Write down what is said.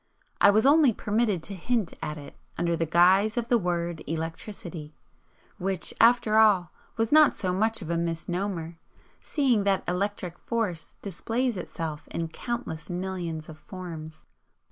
I was only permitted to hint at it under the guise of the word 'Electricity' which, after all, was not so much of a misnomer, seeing that electric force displays itself in countless millions of forms.